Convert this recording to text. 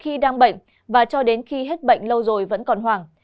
khi đang bệnh và cho đến khi hết bệnh lâu rồi vẫn còn hoảng